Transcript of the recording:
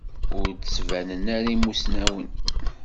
Ur d-ttbanen ara imusnawen.